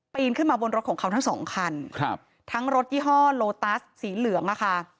ขึ้นมาบนรถของเขาทั้งสองคันครับทั้งรถยี่ห้อโลตัสสีเหลืองอ่ะค่ะ